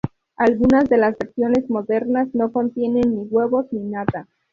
Algunas de las versiones modernas no contienen ni huevos ni nata.